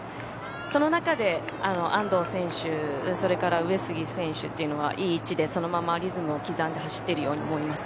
その中で安藤選手それから上杉選手というのはいい位置でそのままリズムを刻んで走ってるように思います。